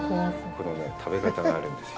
これね、食べ方があるんですよ。